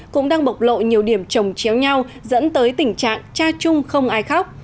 cũng đang bộc lộ nhiều điểm trồng chéo nhau dẫn tới tình trạng cha chung không ai khóc